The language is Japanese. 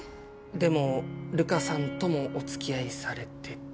でも瑠華さんともお付き合いされてた？